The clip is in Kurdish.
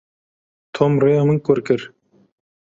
Tom riya min kur kir.